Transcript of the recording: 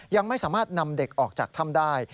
ยังไม่สามารถนำเด็กออกจากถ้ำได้